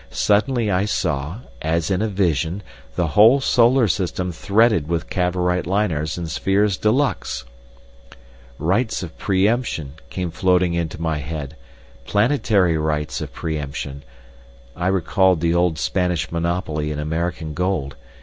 Suddenly I saw, as in a vision, the whole solar system threaded with Cavorite liners and spheres de luxe. "Rights of pre emption," came floating into my head—planetary rights of pre emption. I recalled the old Spanish monopoly in American gold.